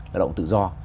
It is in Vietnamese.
lao động tự do